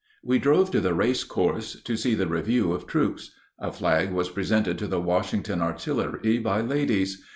We drove to the race course to see the review of troops. A flag was presented to the Washington Artillery by ladies.